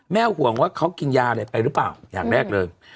ห่วงว่าเขากินยาอะไรไปหรือเปล่าอย่างแรกเลย